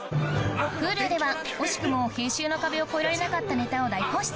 Ｈｕｌｕでは惜しくも編集の壁を越えられなかったネタを大放出！